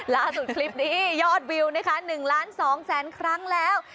คลิปนี้ยอดวิวนะคะ๑ล้าน๒แสนครั้งแล้ว